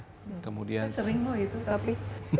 saya sering mau itu tapi